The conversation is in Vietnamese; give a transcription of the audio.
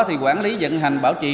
thì quản lý dân hành bảo trì